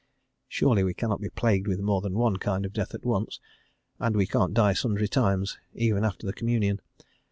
(Surely we cannot be plagued with more than one kind of death at once, and we can't die sundry times, even after the Communion.)